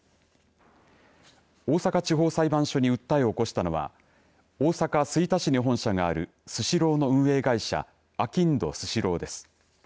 大阪地方裁判所に訴えを起こしたのは大阪、吹田市に本社があるスシローの運営会社あきんどスシローです。